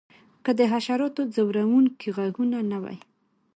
که د حشراتو ځورونکي غږونه نه وی